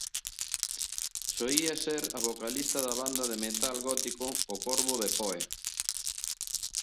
Solía ser la vocalista de la banda de Metal gótico El Cuervo de Poe.